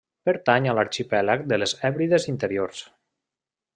Pertany a l'arxipèlag de les Hèbrides Interiors.